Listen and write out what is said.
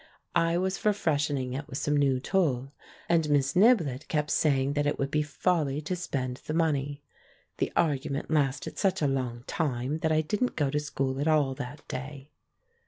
I was for freshening it with some new tulle, and Miss Niblett kept saying that it would be folly to spend the money. The argu ment lasted such a long time that I didn't go to school at all that day.